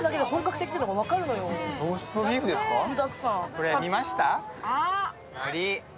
これ、見ました？